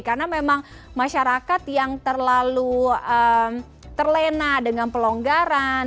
karena memang masyarakat yang terlalu terlena dengan pelonggaran